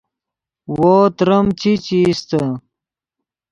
وو تریم چی چے ایستے